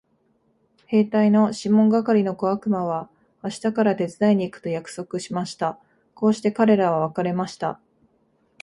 兵隊のシモン係の小悪魔は明日から手伝いに行くと約束しました。こうして彼等は別れました。